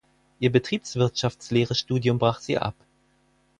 Ihr Betriebswirtschaftslehre-Studium brach sie ab.